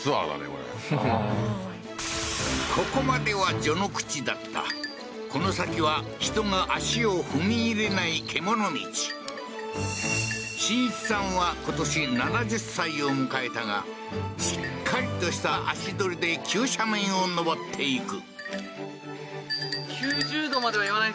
これうんここまでは序の口だったこの先は人が足を踏み入れない獣道心一さんは今年７０歳を迎えたがしっかりとした足取りで急斜面を上っていく